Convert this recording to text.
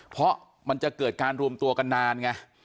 เพราะมันจะเกิดการรวมตัวกันนานไง